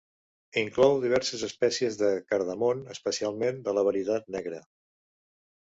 Inclou diverses espècies de cardamom, especialment de la varietat negra.